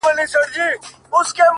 چي ياد پاته وي؛ ياد د نازولي زمانې؛